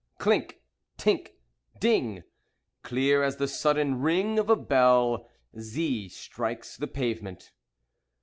Clink! Tink! Ding! Clear as the sudden ring Of a bell "Z" strikes the pavement.